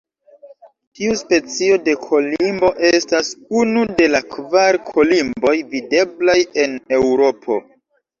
Tiu specio de kolimbo estas unu de la kvar kolimboj videblaj en Eŭropo.